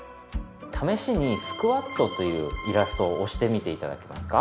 試しにスクワットというイラストを押してみて頂けますか？